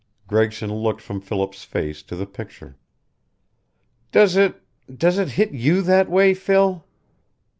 Gregson looked from Philip's face to the picture. "Does it does it hit you that way, Phil?"